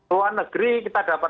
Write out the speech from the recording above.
luar negeri kita dapat